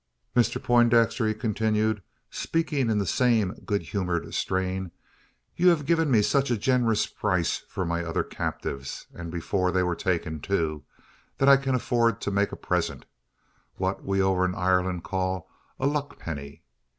"Mr Poindexter," he continued, speaking in the same good humoured strain, "you have given me such a generous price for my other captives and before they were taken too that I can afford to make a present what we over in Ireland call a `luckpenny.'